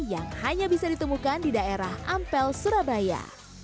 yang hanya bisa ditemukan di daerah ampel surabaya